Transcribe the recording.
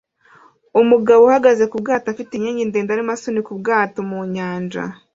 Umugabo uhagaze ku bwato afite inkingi ndende arimo asunika ubwato mu nyanja